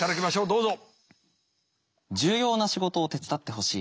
どうぞ！